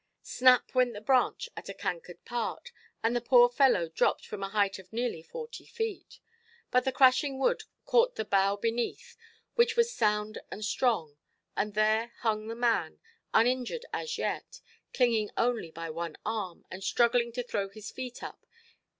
Snap went the branch at a cankered part, and the poor fellow dropped from a height of nearly forty feet. But the crashing wood caught in the bough beneath, which was sound and strong, and there hung the man, uninjured as yet, clinging only by one arm, and struggling to throw his feet up.